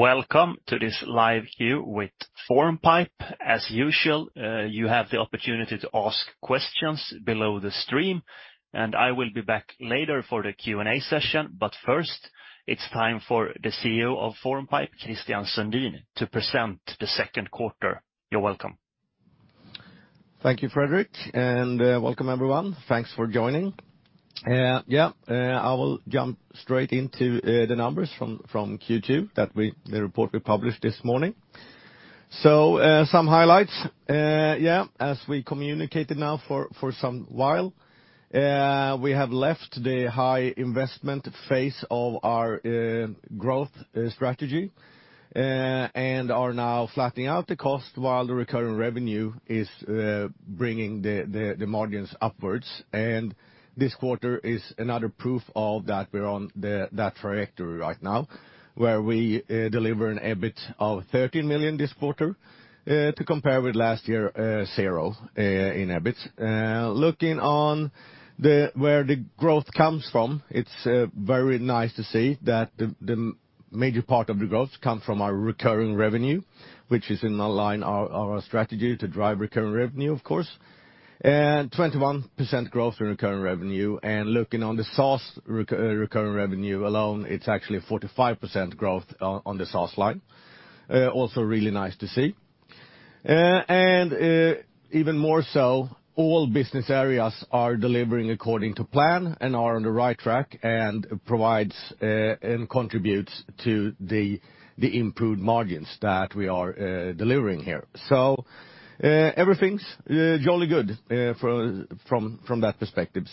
Welcome to this live Q with Formpipe. As usual, you have the opportunity to ask questions below the stream, and I will be back later for the Q&A session. First, it's time for the CEO of Formpipe, Christian Sundin, to present the second quarter. You're welcome. Thank you, Fredrik, and welcome everyone. Thanks for joining. I will jump straight into the numbers from Q2, the report we published this morning. Some highlights. As we communicated now for some while, we have left the high investment phase of our growth strategy and are now flattening out the cost while the recurring revenue is bringing the margins upwards. This quarter is another proof of that. We're on that trajectory right now, where we deliver an EBIT of 13 million this quarter to compare with last year 0 in EBIT. Looking at where the growth comes from, it's very nice to see that the major part of the growth comes from our recurring revenue, which is in line with our strategy to drive recurring revenue, of course. 21% growth in recurring revenue. Looking at the SaaS recurring revenue alone, it's actually 45% growth on the SaaS line. Also really nice to see. Even more so, all business areas are delivering according to plan and are on the right track and provides and contributes to the improved margins that we are delivering here. Everything's jolly good from that perspective.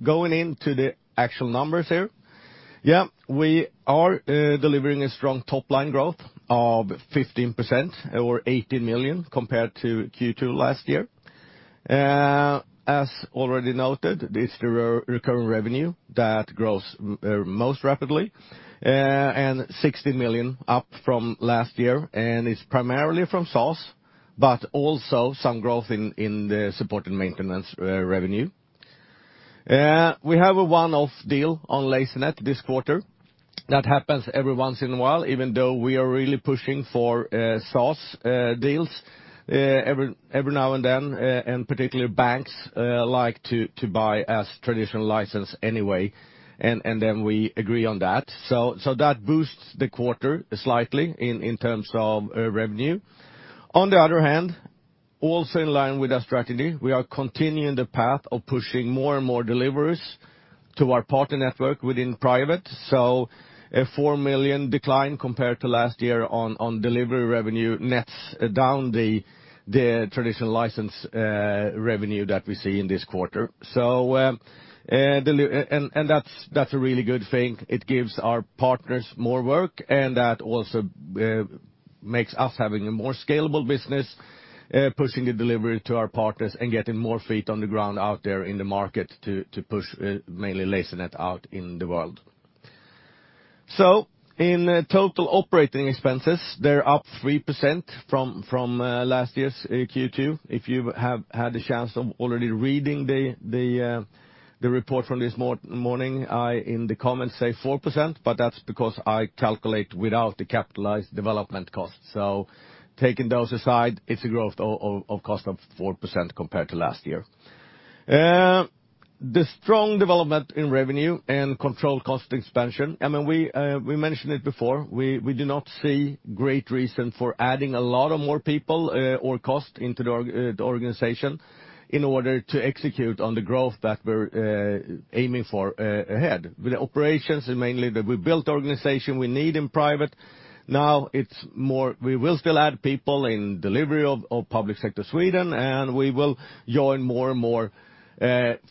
Going into the actual numbers here. We are delivering a strong top-line growth of 15% or 18 million compared to Q2 last year. As already noted, it's the recurring revenue that grows most rapidly, and 60 million up from last year, and it's primarily from SaaS, but also some growth in the support and maintenance revenue. We have a one-off deal on Lasernet this quarter that happens every once in a while, even though we are really pushing for SaaS deals every now and then, and particularly banks like to buy a traditional license anyway, and then we agree on that. That boosts the quarter slightly in terms of revenue. On the other hand, also in line with our strategy, we are continuing the path of pushing more and more deliveries to our partner network within private. A 4 million decline compared to last year on delivery revenue nets down the traditional license revenue that we see in this quarter. That's a really good thing. It gives our partners more work, and that also makes us having a more scalable business, pushing the delivery to our partners and getting more feet on the ground out there in the market to push mainly Lasernet out in the world. In total operating expenses, they're up 3% from last year's Q2. If you have had the chance of already reading the report from this morning, I in the comments say 4%, but that's because I calculate without the capitalized development cost. Taking those aside, it's a growth of cost of 4% compared to last year. The strong development in revenue and controlled cost expansion, I mean, we mentioned it before. We do not see great reason for adding a lot more people or cost into the organization in order to execute on the growth that we're aiming for ahead. With the operations, mainly that we built the organization we need in private. Now it's more we will still add people in delivery of public sector Sweden, and we will join more and more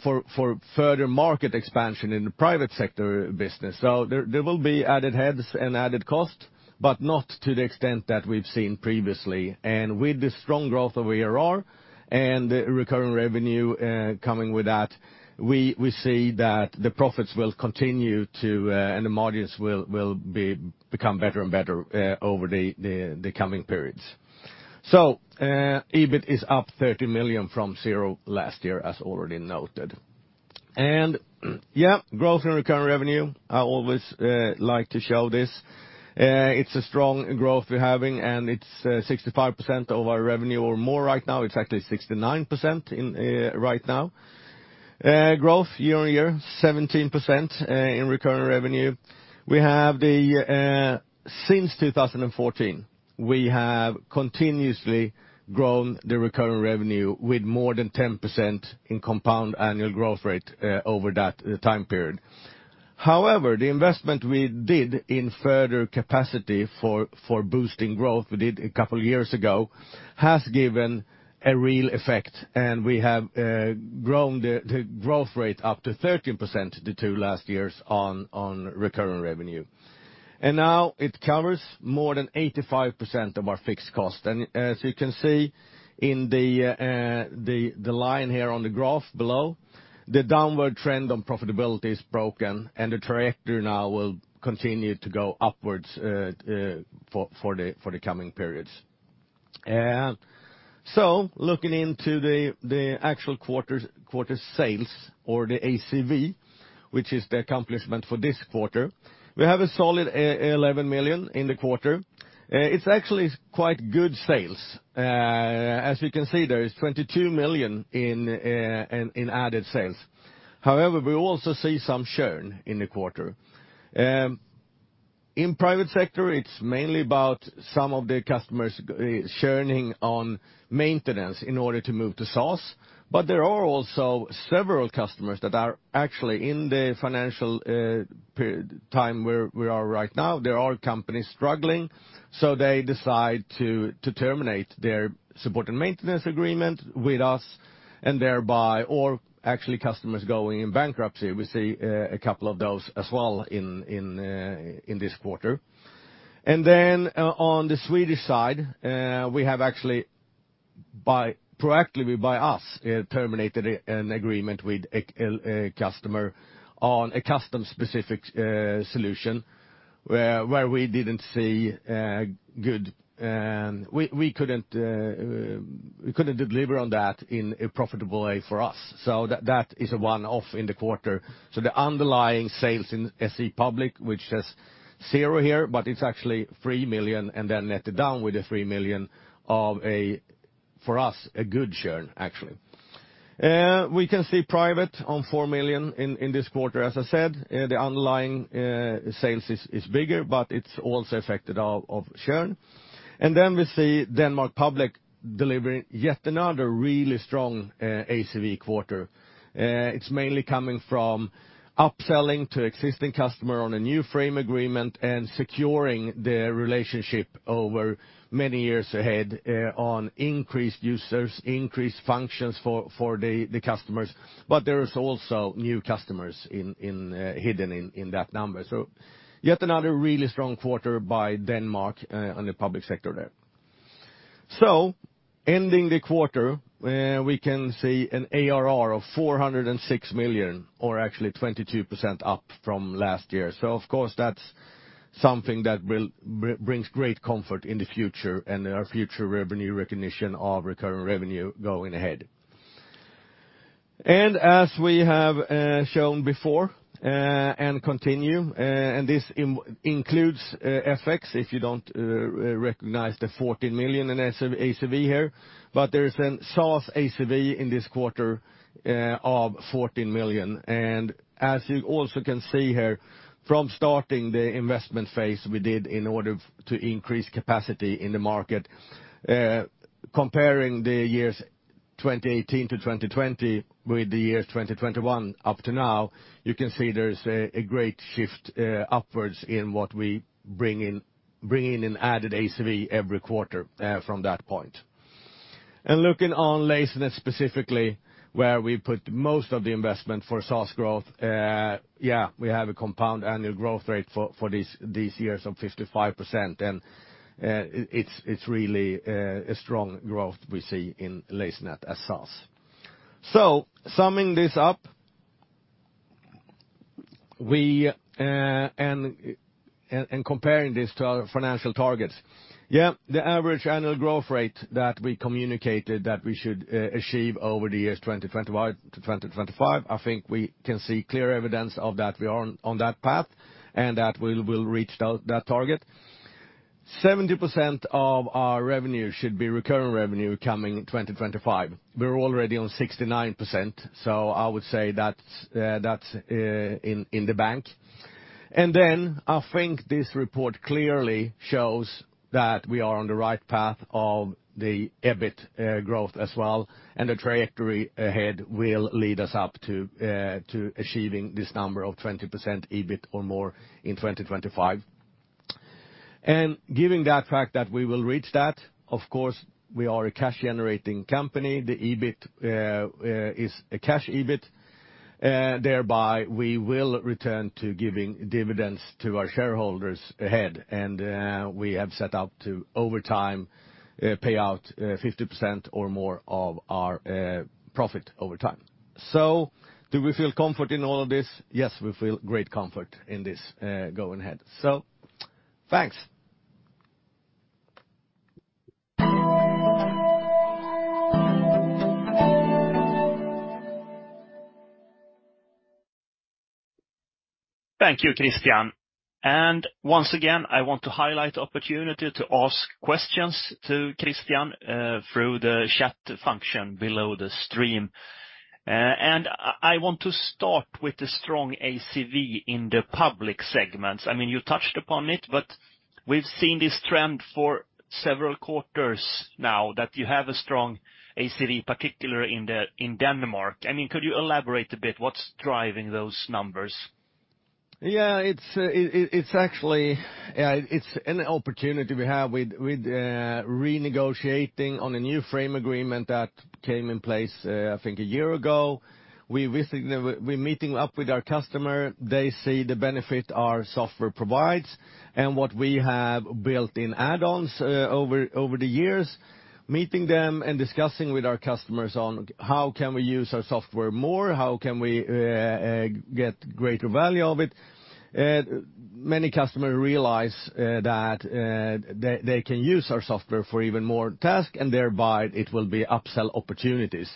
for further market expansion in the private sector business. There will be added heads and added cost, but not to the extent that we've seen previously. With the strong growth of ARR and the recurring revenue coming with that, we see that the profits will continue to and the margins will become better and better over the coming periods. EBIT is up 30 million from zero last year, as already noted. Growth in recurring revenue, I always like to show this. It's a strong growth we're having, and it's 65% of our revenue or more right now. It's actually 69% right now. Growth year on year, 17% in recurring revenue. Since 2014, we have continuously grown the recurring revenue with more than 10% in compound annual growth rate over that time period. However, the investment we did in further capacity for boosting growth we did a couple of years ago has given a real effect, and we have grown the growth rate up to 13% the two last years on recurring revenue. Now it covers more than 85% of our fixed cost. As you can see in the line here on the graph below, the downward trend on profitability is broken and the trajectory now will continue to go upwards for the coming periods. Looking into the actual quarters, quarter sales or the ACV, which is the ACV for this quarter, we have a solid 11 million in the quarter. It's actually quite good sales. As you can see, there is 22 million in added sales. However, we also see some churn in the quarter. In private sector, it's mainly about some of the customers churning on maintenance in order to move to SaaS. There are also several customers that are actually in the financial time where we are right now. There are companies struggling, so they decide to terminate their support and maintenance agreement with us, or actually customers going in bankruptcy. We see a couple of those as well in this quarter. On the Swedish side, we have actually proactively by us terminated an agreement with a customer on a custom-specific solution where we didn't see good. We couldn't deliver on that in a profitable way for us. That is a one-off in the quarter. The underlying sales in SE Public, which says zero here, but it's actually 3 million and then netted down with the 3 million of a, for us, a good churn actually. We can see Private on 4 million in this quarter, as I said. The underlying sales is bigger, but it's also affected of churn. Then we see Denmark Public delivering yet another really strong ACV quarter. It's mainly coming from upselling to existing customer on a new frame agreement and securing the relationship over many years ahead on increased users, increased functions for the customers. But there is also new customers in hidden in that number. Yet another really strong quarter by Denmark on the public sector there. Ending the quarter, we can see an ARR of 406 million, or actually 22% up from last year. Of course, that's something that will brings great comfort in the future and our future revenue recognition of recurring revenue going ahead. As we have shown before and continue, and this includes FX if you don't recognize the 14 million in ACV here. But there is a SaaS ACV in this quarter of 14 million. As you also can see here, from starting the investment phase we did in order to increase capacity in the market, comparing the years 2018 to 2020 with the year 2021 up to now, you can see there is a great shift upwards in what we bring in in added ACV every quarter from that point. Looking on Lasernet specifically, where we put most of the investment for SaaS growth, we have a compound annual growth rate for these years of 55%. It's really a strong growth we see in Lasernet as SaaS. Summing this up, we comparing this to our financial targets, yeah, the average annual growth rate that we communicated that we should achieve over the years 2021-2025, I think we can see clear evidence of that we are on that path and that we will reach that target. 70% of our revenue should be recurring revenue coming 2025. We're already on 69%, so I would say that's in the bank. Then I think this report clearly shows that we are on the right path of the EBIT growth as well, and the trajectory ahead will lead us up to achieving this number of 20% EBIT or more in 2025. Given that fact that we will reach that, of course, we are a cash-generating company. The EBIT is a cash EBIT. Thereby we will return to giving dividends to our shareholders ahead. We have set out to over time pay out 50% or more of our profit over time. Do we feel comfortable in all of this? Yes, we feel great comfort in this going ahead. Thanks. Thank you, Christian. Once again, I want to highlight the opportunity to ask questions to Christian through the chat function below the stream. I want to start with the strong ACV in the public segments. I mean, you touched upon it, but we've seen this trend for several quarters now that you have a strong ACV, particularly in Denmark. I mean, could you elaborate a bit what's driving those numbers? Yeah, it's actually an opportunity we have with renegotiating on a new frame agreement that came in place, I think a year ago. We're meeting up with our customer. They see the benefit our software provides and what we have built in add-ons over the years, meeting them and discussing with our customers on how can we use our software more, how can we get greater value of it. So many customers realize that they can use our software for even more tasks, and thereby it will be upsell opportunities.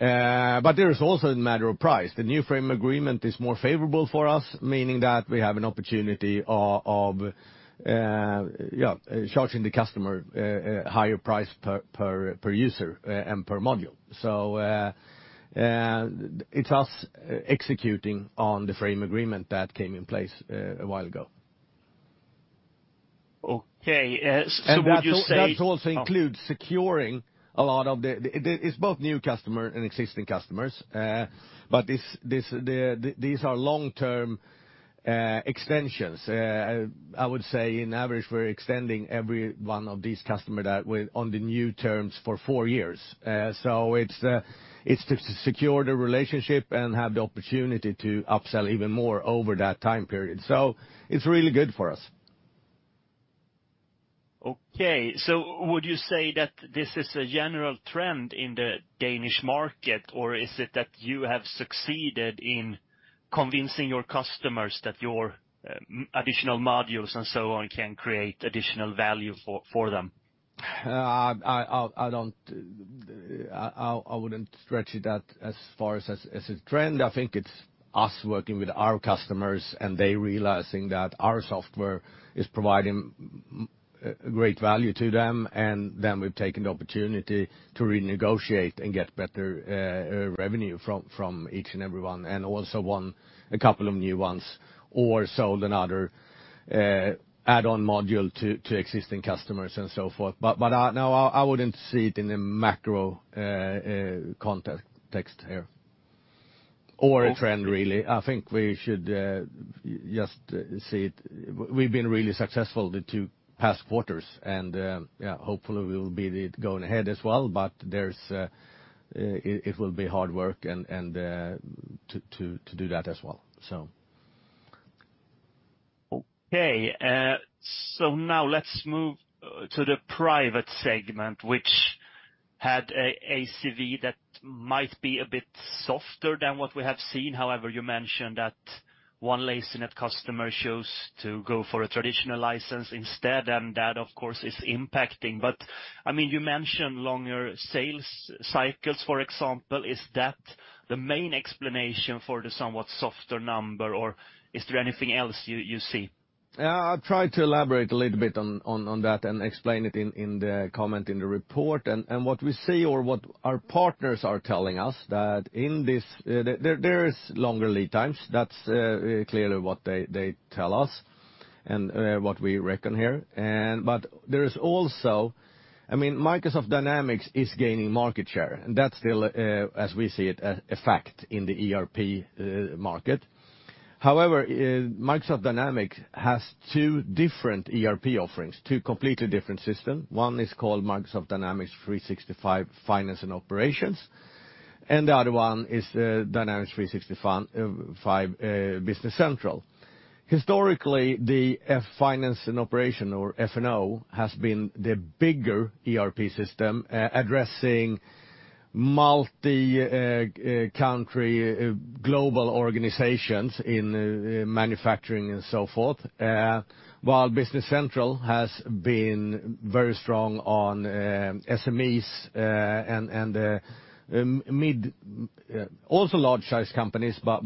There is also a matter of price. The new frame agreement is more favorable for us, meaning that we have an opportunity of yeah, charging the customer higher price per user and per module. It's us executing on the frame agreement that came in place a while ago. Okay. Would you say That also includes securing a lot of the. It's both new customer and existing customers. But these are long-term extensions. I would say in average, we're extending every one of these customer that were on the new terms for four years. It's to secure the relationship and have the opportunity to upsell even more over that time period. It's really good for us. Okay. Would you say that this is a general trend in the Danish market, or is it that you have succeeded in convincing your customers that your additional modules and so on can create additional value for them? I wouldn't stretch it that far as a trend. I think it's us working with our customers and they realizing that our software is providing great value to them. We've taken the opportunity to renegotiate and get better revenue from each and every one, and also won a couple of new ones or sold another add-on module to existing customers and so forth. I wouldn't see it in a macro context here, or a trend, really. I think we should just see it. We've been really successful the two past quarters, and yeah, hopefully we will be going ahead as well, but it will be hard work and to do that as well, so. Okay. Now let's move to the private segment, which had an ACV that might be a bit softer than what we have seen. However, you mentioned that one Lasernet customer chose to go for a traditional license instead, and that, of course, is impacting. I mean, you mentioned longer sales cycles, for example. Is that the main explanation for the somewhat softer number, or is there anything else you see? Yeah, I tried to elaborate a little bit on that and explain it in the comment in the report. What we see or what our partners are telling us is that there is longer lead times. That's clearly what they tell us and what we reckon here. There is also I mean, Microsoft Dynamics is gaining market share, and that's still as we see it a fact in the ERP market. However, Microsoft Dynamics has two different ERP offerings, two completely different system. One is called Microsoft Dynamics 365 Finance and Operations, and the other one is Dynamics 365 Business Central. Historically, the Finance and Operations, or F&O, has been the bigger ERP system addressing multi-country global organizations in manufacturing and so forth. While Business Central has been very strong on SMEs and mid-sized also large-sized companies, but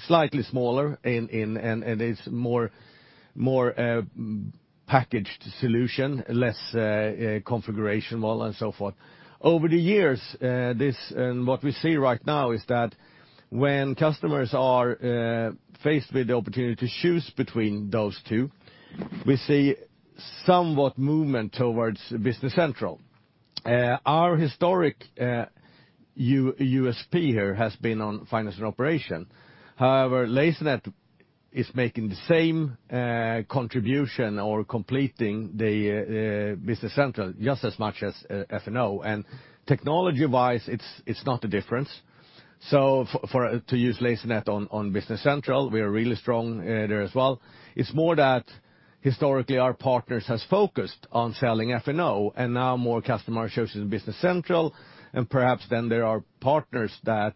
slightly smaller and it's more packaged solution, less configuration and so forth. Over the years, what we see right now is that when customers are faced with the opportunity to choose between those two, we see some movement towards Business Central. Our historic USP here has been on Finance and Operations. However, Lasernet is making the same contribution or complementing the Business Central just as much as F&O. Technology-wise, it's not a difference. To use Lasernet on Business Central, we are really strong there as well. It's more that historically our partners has focused on selling F&O, and now more customer are choosing Business Central. Perhaps then there are partners that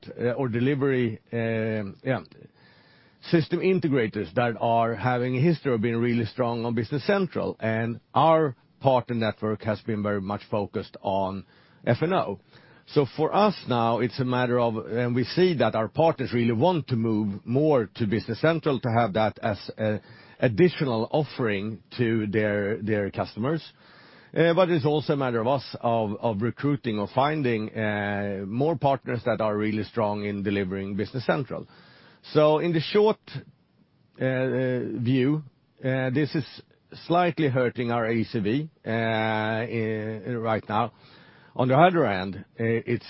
system integrators that are having a history of being really strong on Business Central. Our partner network has been very much focused on F&O. For us now, it's a matter of. We see that our partners really want to move more to Business Central to have that as additional offering to their customers. But it's also a matter of us of recruiting or finding more partners that are really strong in delivering Business Central. In the short view, this is slightly hurting our ACV right now. On the other hand, it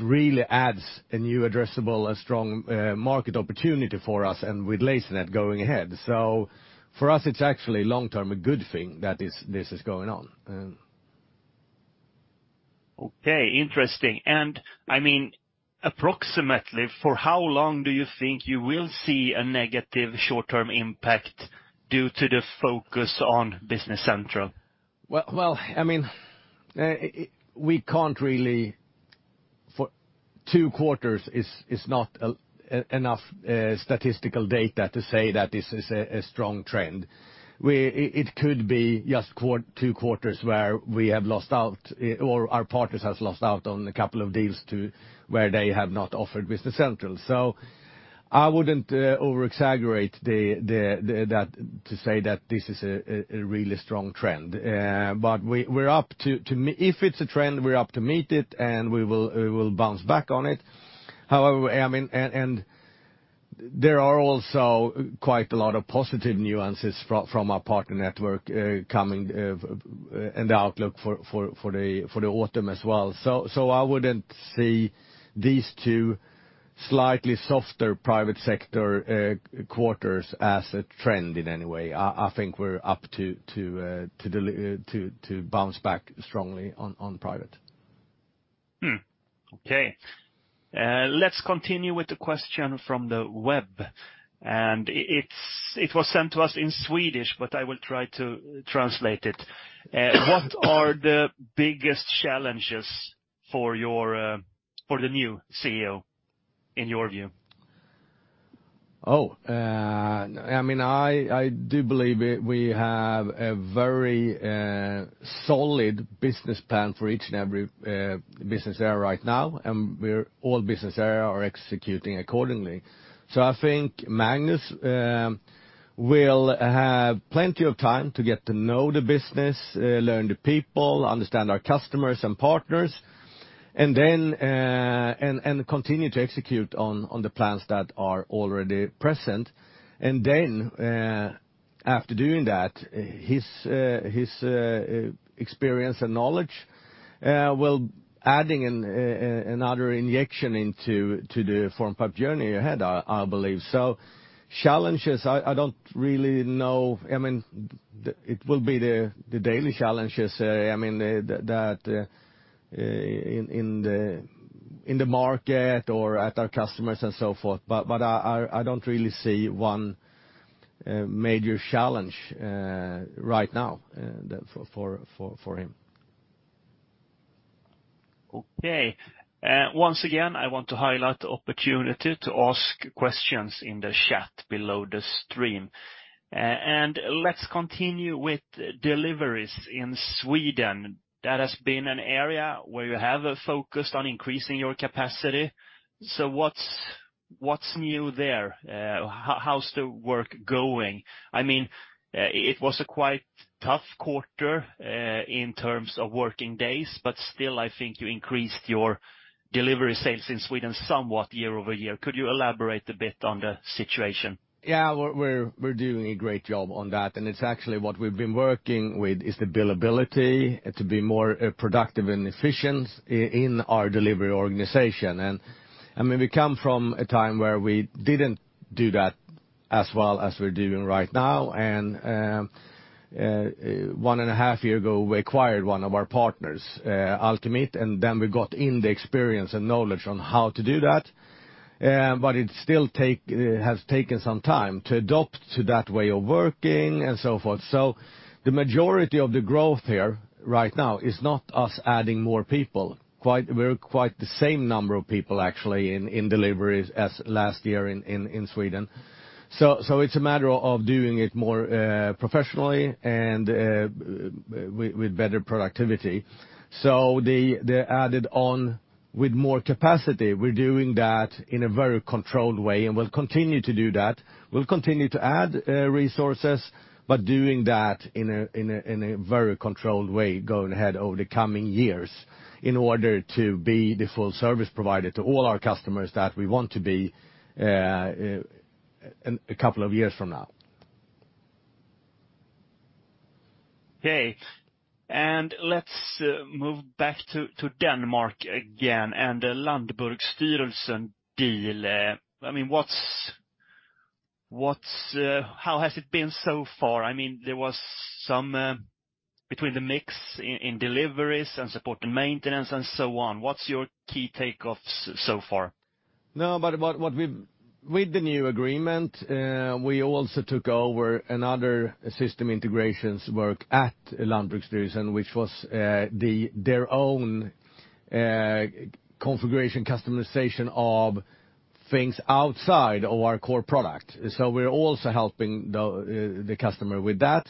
really adds a strong market opportunity for us and with Lasernet going ahead. For us, it's actually long-term a good thing that this is going on. Okay. Interesting. I mean, approximately, for how long do you think you will see a negative short-term impact due to the focus on Business Central? We can't really, for two quarters is not enough statistical data to say that this is a strong trend. It could be just two quarters where we have lost out, or our partners has lost out on a couple of deals to where they have not offered Business Central. I wouldn't over-exaggerate that to say that this is a really strong trend. We're up to, if it's a trend, we're up to meet it, and we will bounce back on it. However, there are also quite a lot of positive nuances from our partner network coming, and the outlook for the autumn as well. I wouldn't see these two slightly softer private sector quarters as a trend in any way. I think we're due to bounce back strongly on private. Okay. Let's continue with the question from the web. It was sent to us in Swedish, but I will try to translate it. What are the biggest challenges for the new CEO in your view? I mean, I do believe we have a very solid business plan for each and every business area right now, and all business areas are executing accordingly. I think Magnus will have plenty of time to get to know the business, learn the people, understand our customers and partners, and then continue to execute on the plans that are already present. After doing that, his experience and knowledge will add another injection into the Formpipe journey ahead, I believe. Challenges, I don't really know. I mean, it will be the daily challenges in the market or at our customers and so forth. I don't really see one major challenge right now for him. Okay. Once again, I want to highlight the opportunity to ask questions in the chat below the stream. Let's continue with deliveries in Sweden. That has been an area where you have a focus on increasing your capacity. What's new there? How's the work going? I mean, it was a quite tough quarter, in terms of working days, but still, I think you increased your delivery sales in Sweden somewhat year-over-year. Could you elaborate a bit on the situation? Yeah. We're doing a great job on that, and it's actually what we've been working with is the billability to be more productive and efficient in our delivery organization. I mean, we come from a time where we didn't do that as well as we're doing right now. 1.5 years ago, we acquired one of our partners, Ultimate, and then we got the experience and knowledge on how to do that. It has taken some time to adapt to that way of working and so forth. The majority of the growth here right now is not us adding more people. We're quite the same number of people, actually, in deliveries as last year in Sweden. It's a matter of doing it more professionally and with better productivity. The add-on with more capacity, we're doing that in a very controlled way, and we'll continue to do that. We'll continue to add resources, but doing that in a very controlled way going ahead over the coming years in order to be the full service provider to all our customers that we want to be a couple of years from now. Okay. Let's move back to Denmark again and the Landbrugsstyrelsen deal. I mean, how has it been so far? I mean, there was some mix between deliveries and support and maintenance and so on. What's your key takeaways so far? With the new agreement, we also took over another system integrator's work at Landbrugsstyrelsen, which was their own configuration, customization of things outside of our core product. We're also helping the customer with that.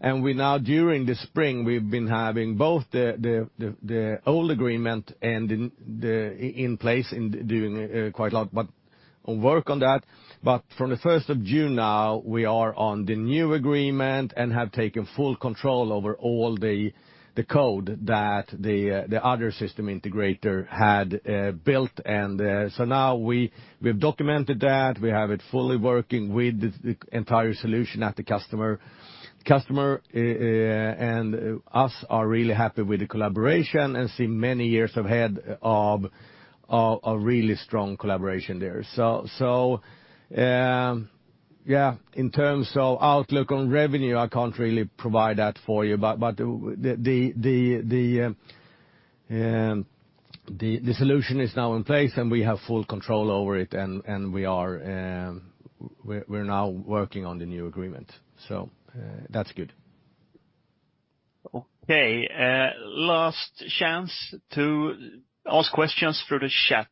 We now, during the spring, we've been having both the old agreement and the in place and doing quite a lot of work on that. From the first of June now, we are on the new agreement and have taken full control over all the code that the other system integrator had built. Now we've documented that. We have it fully working with the entire solution at the customer. Customer and us are really happy with the collaboration and see many years ahead of a really strong collaboration there. In terms of outlook on revenue, I can't really provide that for you. The solution is now in place, and we have full control over it, and we are now working on the new agreement. That's good. Okay. Last chance to ask questions through the chat.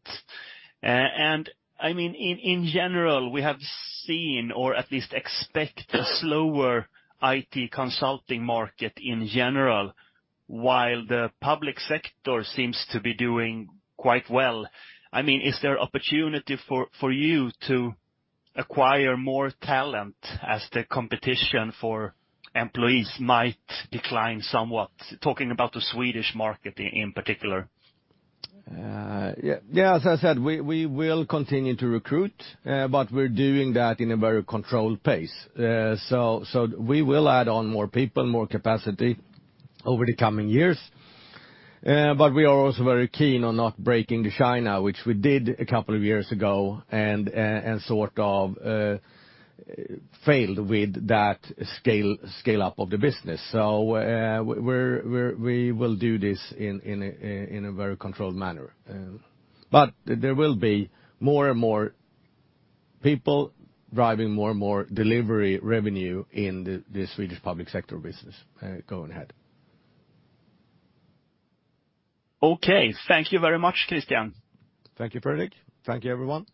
And I mean, in general, we have seen or at least expect a slower IT consulting market in general, while the public sector seems to be doing quite well. I mean, is there opportunity for you to acquire more talent as the competition for employees might decline somewhat? Talking about the Swedish market in particular. Yeah, as I said, we will continue to recruit, but we're doing that in a very controlled pace. We will add on more people, more capacity over the coming years. We are also very keen on not breaking the chain, which we did a couple of years ago and sort of failed with that scale up of the business. We will do this in a very controlled manner. There will be more and more people driving more and more delivery revenue in the Swedish public sector business, going ahead. Okay. Thank you very much, Christian. Thank you, Fredrik. Thank you, everyone.